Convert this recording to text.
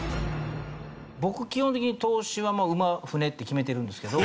僕基本的に投資は馬舟って決めてるんですけど。